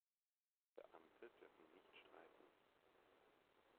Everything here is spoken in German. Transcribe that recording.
Beamte dürfen nicht streiken.